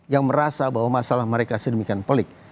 yang merasa bahwa masalah mereka sedemikian pelik